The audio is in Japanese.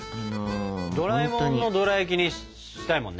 ドラえもんのドラやきにしたいもんね。